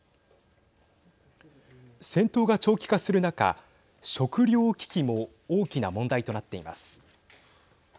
戦闘が長期化する中食糧危機も大きな問題となっています。